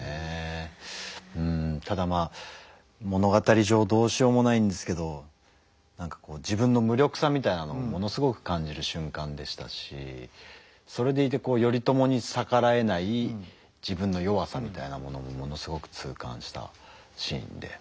ただまあ物語上どうしようもないんですけど何かこう自分の無力さみたいなのをものすごく感じる瞬間でしたしそれでいて頼朝に逆らえない自分の弱さみたいなものもものすごく痛感したシーンで。